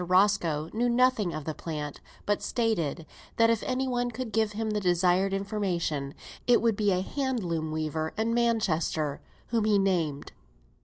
Roscoe knew nothing of the plant; but stated, that if any one could give him the desired information, it would be a hand loom weaver in Manchester, whom he named.